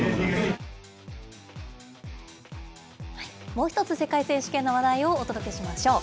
もう１つ、世界選手権の話題をお届けしましょう。